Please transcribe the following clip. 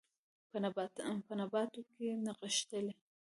په نباتو کې نغښتلي